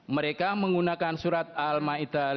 mereka menggunakan surat al ma'idah lima puluh satu